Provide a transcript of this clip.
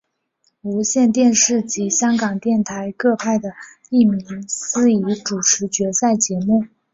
无线电视及香港电台各派出一名司仪主持决赛节目。